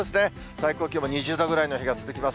最高気温も２０度ぐらいの日が続きます。